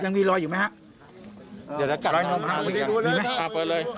หลวงพี่คะขอโทษนะคะขัน